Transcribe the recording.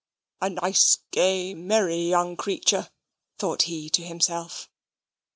"A nice, gay, merry young creature," thought he to himself.